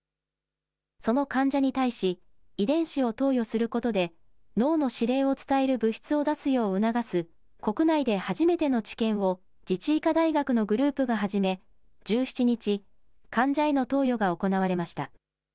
その患者に対し、遺伝子を投与することで脳の指令を伝える物質を出すよう促す国内で初めての治験を、自治医科大学のグループが始め、１７日、患者への投与が行われました。